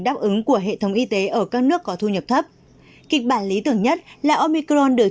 đáp ứng của hệ thống y tế ở các nước có thu nhập thấp kịch bản lý tưởng nhất là omicron được